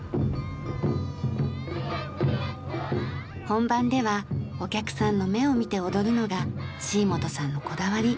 本番ではお客さんの目を見て踊るのが椎本さんのこだわり。